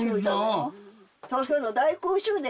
東京の大空襲で。